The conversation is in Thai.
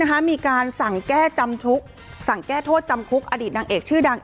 ก็มีการสั่งแก้โทษจำคุกอดีตนางเอกชื่อดัง